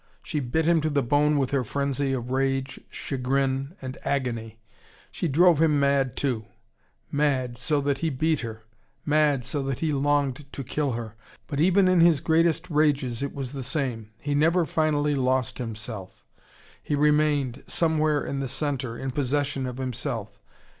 She bit him to the bone with her frenzy of rage, chagrin, and agony. She drove him mad, too: mad, so that he beat her: mad so that he longed to kill her. But even in his greatest rages it was the same: he never finally lost himself: he remained, somewhere in the centre, in possession of himself.